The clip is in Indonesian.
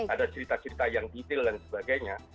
ada cerita cerita yang detail dan sebagainya